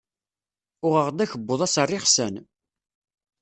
Uɣeɣ-d akebbuḍ-a s rrixsan.